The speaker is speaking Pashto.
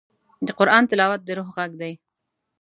د قرآن تلاوت د روح غږ دی.